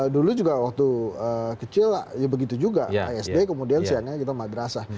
dulu juga waktu kecil ya begitu juga asd kemudian siangnya kita madrasah